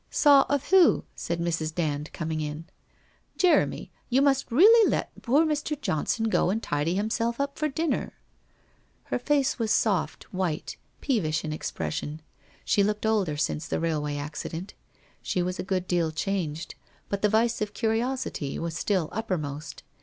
' Saw of who ?' said Mrs. Dand, coming in. ' Jeremy, you must really let poor Mr. Johnson go and tidy himself up for dinner/ Her face was soft, white, peevish in expression. She looked older since the railway accident. She was a good deal changed, but the vice of curiosity was still uppermost.